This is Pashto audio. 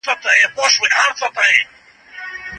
اسلام غير اسلامي لږکيو ته پوره آزادي ورکوي.